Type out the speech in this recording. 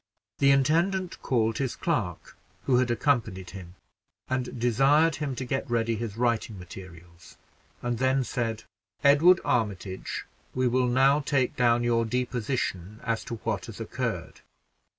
The intendant called his clerk, who had accompanied him, and desired him to get ready his writing materials, and then said "Edward Armitage, we will now take down your deposition as to what has occurred."